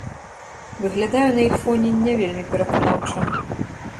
Выглядаю на іх фоне не вельмі пераканаўча.